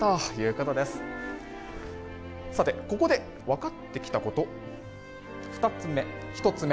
ここで、分かってきたこと１つ目。